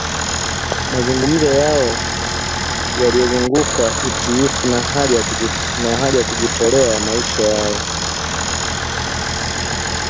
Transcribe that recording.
Mazungumzo yao yaliyozunguka utiifu na hali ya kujitolea ya maisha yao